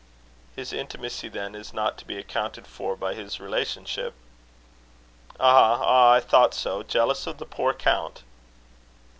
"His intimacy, then, is not to be accounted for by his relationship?" "Ah! ah! I thought so. Jealous of the poor count!"